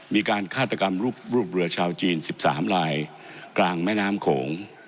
มีการฆาตกรรมรูปเรือชาวจีน๑๓ลายกลางแม่น้ำโขง